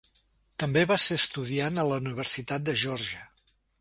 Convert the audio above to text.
També va ser estudiant a la Universitat de Geòrgia.